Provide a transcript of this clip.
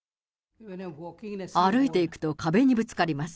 歩いていくと壁にぶつかります。